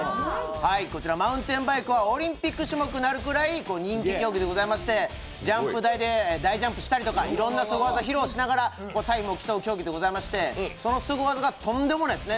こちらマウンテンバイクはオリンピック種目になるぐらい人気競技でございまして、ジャンプ台で大ジャンプしたりいろんなすご技、披露しながらタイムを競う競技でございましてそのスゴ技がとんでもないんですね。